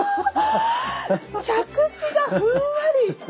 着地がふんわり！